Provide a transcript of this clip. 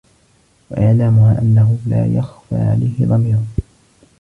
وَإِعْلَامُهَا أَنَّهُ لَا يَخْفَى عَلَيْهِ ضَمِيرٌ